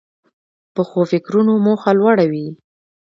پخو فکرونو موخه لوړه وي